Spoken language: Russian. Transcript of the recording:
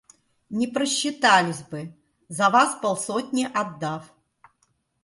Не просчитались бы, за вас полсотни отдав.